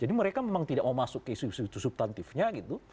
jadi mereka memang tidak mau masuk ke isu isu subtantifnya gitu